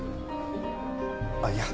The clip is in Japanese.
あっいや。